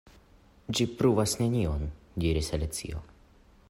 "Ĝi pruvas nenion," diris Alicio.